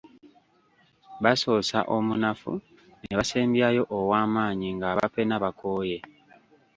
Basoosa omunafu ne basembyayo ow’amaanyi ng'abapena bakooye.